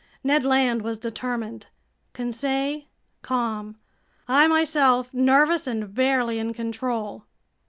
Ned Land was determined, Conseil calm, I myself nervous and barely in control.